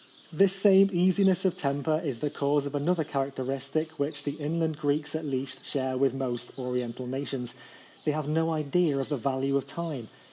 This same easiness of temper is the cause of another characteristic which the inland Greeks at least share with most oriental nations. They have no idea of the value of time.